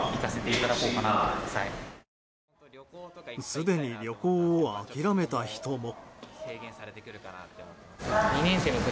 すでに旅行を諦めた人も。